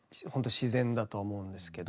自然だと思うんですけど。